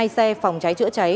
hai xe phòng cháy chữa cháy